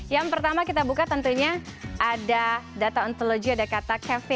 yang pertama kita buka tentunya ada data ontologi ada kata kevin